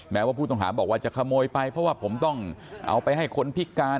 แม้ว่าผู้ต้องหาบอกว่าจะขโมยไปเพราะว่าผมต้องเอาไปให้คนพิการ